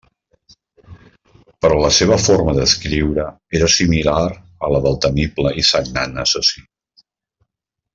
Però la seva forma d'escriure era similar a la del temible i sagnant assassí.